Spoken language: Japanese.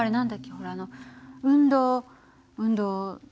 ほらあの運動運動運動